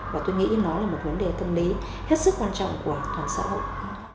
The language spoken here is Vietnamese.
và tôi nghĩ nó là một vấn đề tâm lý hết sức quan trọng của toàn xã hội